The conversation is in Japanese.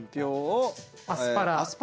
アスパラ